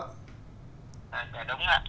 dạ đúng ạ